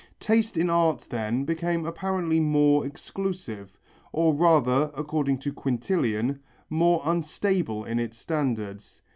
Taste in art, then, became apparently more exclusive, or rather, according to Quintilian, more unstable in its standards.